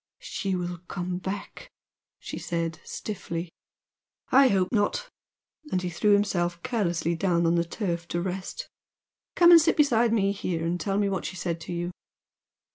"She will come back," she said stiffly. "I hope not!" And he threw himself carelessly down on the turf to rest "Come and sit beside me here and tell me what she said to you!"